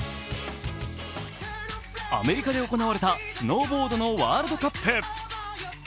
アメリカで行われたスノーボードのワールドカップ。